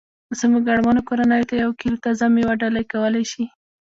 زمونږ اړمنو کورنیوو ته یوه کیلو تازه میوه ډالۍ کولای شي